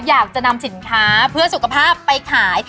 อยากจะนำสินค้าเพื่อสุขภาพไปขาย